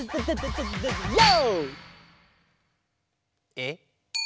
えっ？